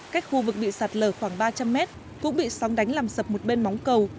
cách khu vực bị sạt lở khoảng ba trăm linh mét cũng bị sóng đánh làm sập một bên móng cầu